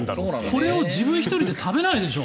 これを自分１人で食べないでしょ。